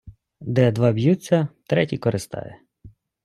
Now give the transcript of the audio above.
Де два б'ються, третій користає.